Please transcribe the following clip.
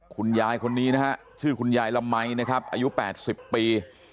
คุณยายคนนี้นะฮะชื่อคุณยายละมัยนะครับอายุ๘๐ปี